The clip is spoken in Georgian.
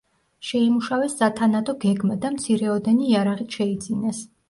შეიმუშავეს სათანადო გეგმა და მცირეოდენი იარაღიც შეიძინეს.